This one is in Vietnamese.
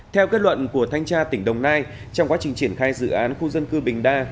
theo kết luận của thanh tra tỉnh đồng nai trong quá trình triển khai dự án khu dân cư bình đa